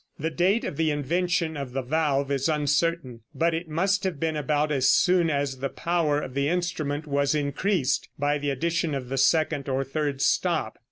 The date of the invention of the valve is uncertain, but it must have been about as soon as the power of the instrument was increased by the addition of the second or third stop.